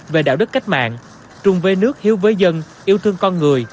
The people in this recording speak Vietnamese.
về đạo đức cách mạng trung với nước hiếu với dân yêu thương con người